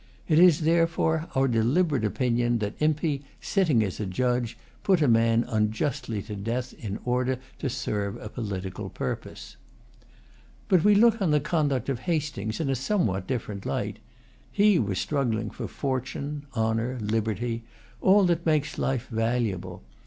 It is, therefore, our deliberate opinion that Impey, sitting as a judge, put a man unjustly to death in order to serve a political purpose.[Pg 157] But we look on the conduct of Hastings in a somewhat different light. He was struggling for fortune, honor, liberty, all that makes life valuable.